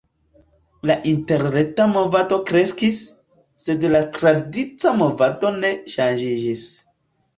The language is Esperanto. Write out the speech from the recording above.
La interreta movado kreskis, sed la tradica movado ne ŝanĝiĝis.